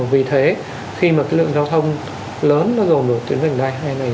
vì thế khi mà cái lượng giao thông lớn nó rồn vào tuyến bình đai hai này